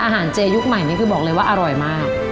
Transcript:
อาหารเจย์ยุคใหม่นี้คือบอกเลยว่าอร่อยมาก